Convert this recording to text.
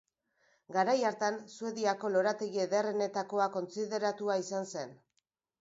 Garai hartan Suediako lorategi ederrenetakoa kontsideratua izan zen.